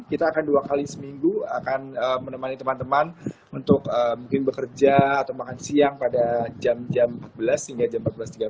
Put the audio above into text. kita akan dua kali seminggu akan menemani teman teman untuk mungkin bekerja atau makan siang pada jam jam empat belas hingga jam empat belas tiga puluh